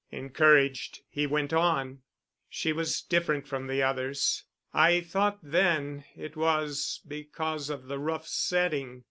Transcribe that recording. Encouraged, he went on. "She was different from the others. I thought then it was because of the rough setting.